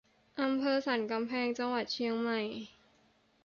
อำเภอสันกำแพง จังหวัดเชียงใหม่